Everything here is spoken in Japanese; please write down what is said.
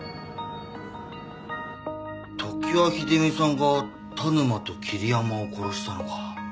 常盤秀美さんが田沼と桐山を殺したのか。